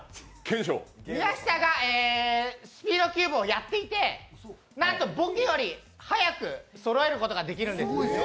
えー、スピードキューブをやっていて、なんと僕より早くそろえることができるんです！